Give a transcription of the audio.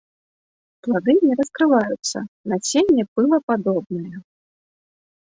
Плады не раскрываюцца, насенне пылападобнае.